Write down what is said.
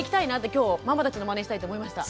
今日ママたちのマネしたいと思いました。